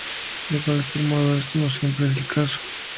De cualquier modo, esto no siempre es el caso.